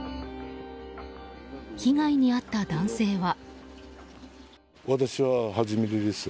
被害に遭った男性は。